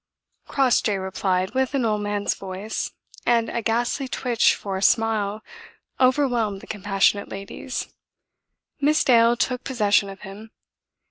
Crossjay replied, with an old man's voice, and a ghastly twitch for a smile overwhelmed the compassionate ladies. Miss Dale took possession of him.